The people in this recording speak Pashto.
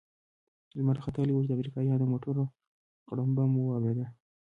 لمر ختلى و چې د امريکايانو د موټرو غړمبه مو واورېد.